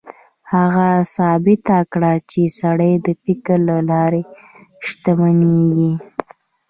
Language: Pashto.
هغه ثابته کړه چې سړی د فکر له لارې شتمنېږي.